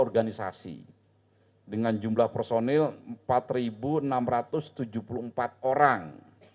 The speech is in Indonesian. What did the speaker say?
empat ratus tiga puluh tiga organisasi dengan jumlah personil empat ribu enam ratus tujuh puluh empat orang